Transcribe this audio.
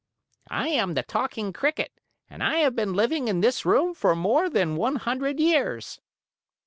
"I am the Talking Cricket and I have been living in this room for more than one hundred years."